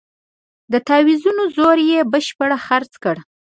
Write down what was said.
د تاویزونو زور یې بشپړ خرڅ کړ.